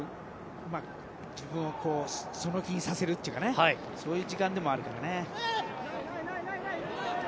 自分をその気にさせるというかそういう時間でもあるからね。